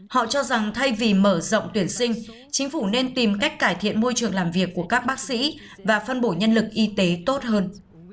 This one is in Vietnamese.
họ cho rằng thay vì mở rộng tuyển sinh chính phủ nên tìm cách cải thiện môi trường làm việc của các bác sĩ và phân bổ nhân lực y tế tốt hơn